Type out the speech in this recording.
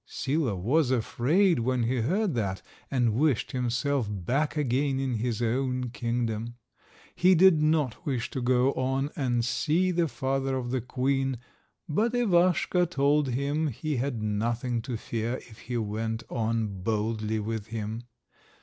Sila was afraid when he heard that, and wished himself back again in his own kingdom. He did not wish to go on and see the father of the queen, but Ivaschka told him he had nothing to fear if he went on boldly with him.